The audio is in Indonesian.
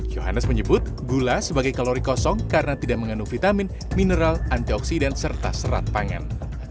johannes menyebut gula sebagai kalori kosong karena tidak mengandung vitamin mineral antioksidan serta serat pangan